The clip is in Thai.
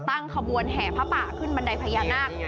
ตั้งขบวนแห่พระป่าขึ้นบันไดพญานาค